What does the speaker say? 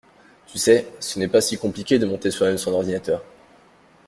Tu sais, ce n'est pas si compliqué de monter soi-même son ordinateur.